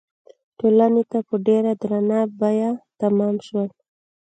ټولنې ته په ډېره درنه بیه تمام شول.